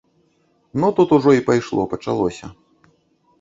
Ну, тут ужо і пайшло, пачалося.